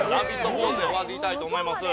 ポーズで終わりたいと思います。